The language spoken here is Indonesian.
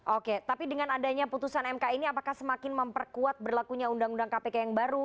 oke tapi dengan adanya putusan mk ini apakah semakin memperkuat berlakunya undang undang kpk yang baru